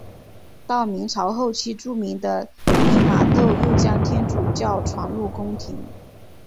到明朝后期著名的利玛窦又将天主教传入宫廷。